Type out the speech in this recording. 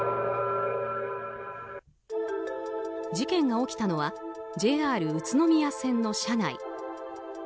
事件が起きたのはＪＲ宇都宮線の車内。